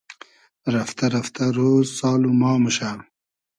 رئفتۂ رئفتۂ رۉز سال و ما موشۂ